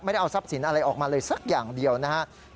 ได้เอาทรัพย์สินอะไรออกมาเลยสักอย่างเดียวนะครับ